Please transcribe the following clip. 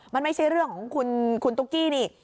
มันไม่ใช่เรื่องของคุณตุ๊กกี้นี่